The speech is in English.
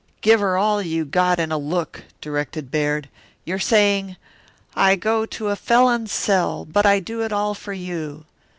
"Give her all you got in a look," directed Baird. "You're saying: 'I go to a felon's cell, but I do it all for you.